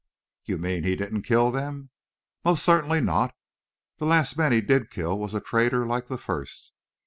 "You mean he didn't kill them?" "Most certainly not. This last man he did kill was a traitor like the first.